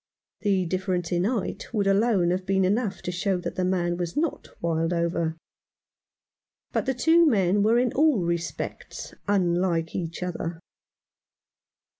The difference in height would alone have been enough to show that the man was not Wildover, but the two men were in all respects unlike each other.